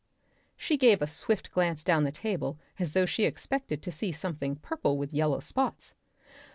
She gave a swift glance down the table as though she expected to see something purple with yellow spots.